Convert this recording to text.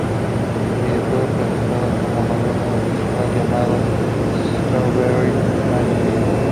El videojuego presentado como novela visual, llamado "Strawberry Panic!